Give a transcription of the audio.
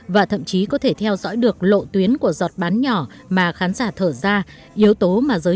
và thậm chí có thể theo dõi được lộ tuyến của giọt bán nhỏ mà khán giả thở ra yếu tố mà giới